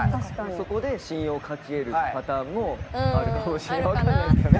そこで信用を勝ち得るパターンもあるかもしれない分かんないですけどね。